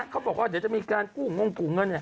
เขาบอกว่าเดี๋ยวจะมีการกู้งงกู้เงิน